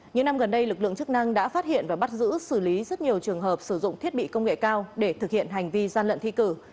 những năm gần đây lực lượng chức năng đã phát hiện và bắt giữ xử lý rất nhiều trường hợp sử dụng thiết bị công nghệ cao để thực hiện hành vi gian lận thi cử